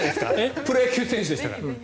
プロ野球選手でしたから。